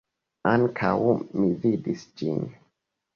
Ankaŭ mi vidis ĝin.